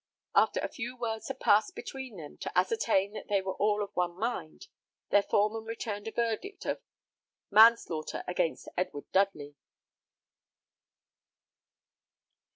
After a few words had passed between them, to ascertain that they were all of one mind, their foreman returned a verdict of "Manslaughter against Edward Dudley."